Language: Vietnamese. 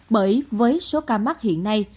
bởi với số ca mắc hiện nay